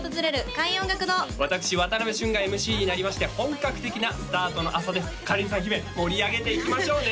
開運音楽堂私渡部峻がＭＣになりまして本格的なスタートの朝ですかりんさん姫盛り上げていきましょうね！